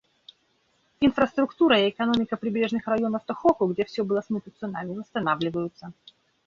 Инфраструктура и экономика прибрежных районов Тохоку, где все было смыто цунами, восстанавливаются.